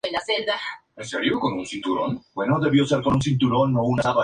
La estabilidad relativa de la base conjugada del ácido determina su acidez.